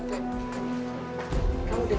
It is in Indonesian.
kamu dengar sendiri